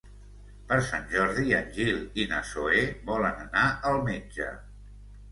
Per Sant Jordi en Gil i na Zoè volen anar al metge.